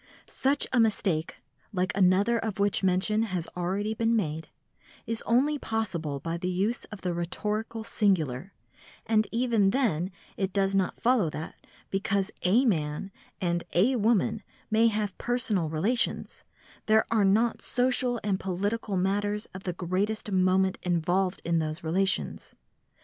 Such a mistake, like another of which mention has already been made, is only possible by the use of the rhetorical singular, and even then it does not follow that, because a man and a woman may have personal relations, there are not social and political matters of the greatest moment involved in those relations.